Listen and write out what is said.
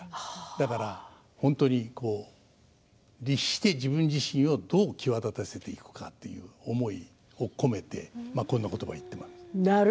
だから本当に律して自分自身をどう際立たせていくかという思いも込めてこんな言葉を言っています。